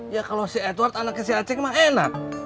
ya kalau si edward anaknya si aceh emang enak